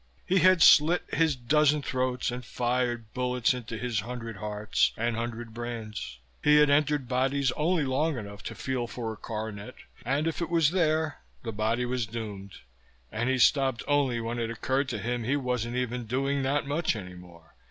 He had slit his dozen throats and fired bullets into his hundred hearts and hundred brains; he had entered bodies only long enough to feel for a coronet, and if it was there the body was doomed; and he stopped only when it occurred to him he wasn't even doing that much any more.